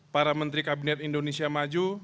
para menteri kabinet indonesia maju